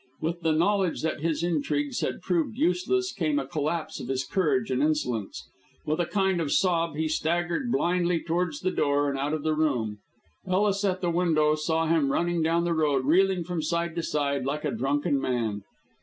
With the knowledge that his intrigues had proved useless came a collapse of his courage and insolence. With a kind of sob he staggered blindly towards the door and out of the room. Ellis at the window saw him running down the road, reeling from side to side like a drunken man.